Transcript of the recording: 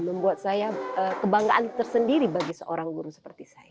membuat saya kebanggaan tersendiri bagi seorang guru seperti saya